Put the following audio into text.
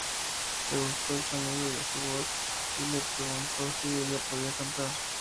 Le gustó el sonido de su voz, y le preguntó si ella podía cantar.